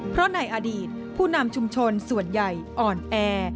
เพราะในอดีตผู้นำชุมชนส่วนใหญ่อ่อนแอ